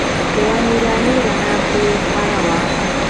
یوه نوراني رڼا پرې خپره وه.